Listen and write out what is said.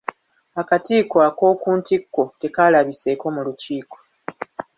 Akakiiko akokuntikko tekaalabiseeko mu lukiiko.